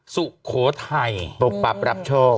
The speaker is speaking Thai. สุโขทัยปกปับรับโชค